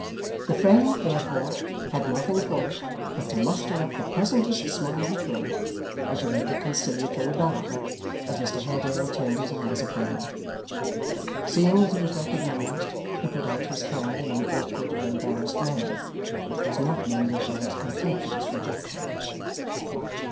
The friend, therefore, had nothing for it, but to muster up the pleasantest smile he could, and to make a conciliatory bow, as Mr Haredale turned his eyes upon him. Seeing that he was recognised, he put out his hand in an awkward and embarrassed manner, which was not mended by its contemptuous rejection.